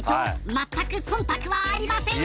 まったく忖度はありませんよ。